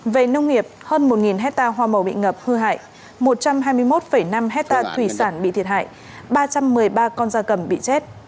về nông nghiệp hơn một hectare hoa màu bị ngập hư hại một trăm hai mươi một năm hectare thủy sản bị thiệt hại ba trăm một mươi ba con da cầm bị chết